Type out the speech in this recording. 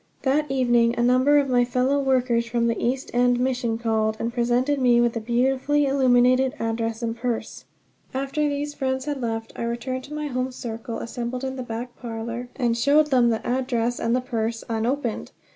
That evening a number of my fellow workers from the East End Mission called, and presented me with a beautifully illuminated address and a purse. After these friends had left I returned to my home circle assembled in the back parlor, and showed them the address and the purse unopened!